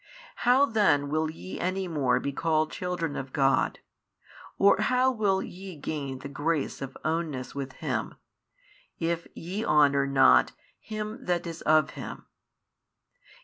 How then will ye any more be called children of God, or how will ye gain the grace of ownness with Him, if ye honour not Him That is of Him?